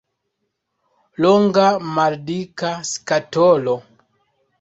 Longa, maldika skatolo.